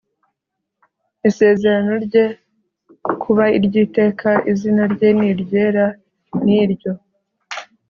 isezerano rye kuba iry iteka izina rye ni iryera n iryo